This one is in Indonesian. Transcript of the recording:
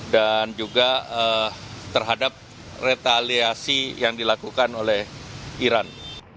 dan juga terhadap retaliasi yang dilakukan oleh iran